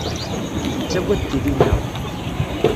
Nettaggad tili-nneɣ.